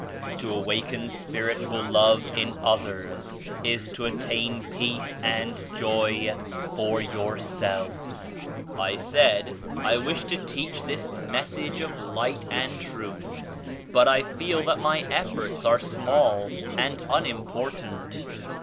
To awaken spiritual love in others is to attain peace and joy for yourself." I said "I wish to teach this Message of Light and Truth, but I feel that my efforts are small and unimportant."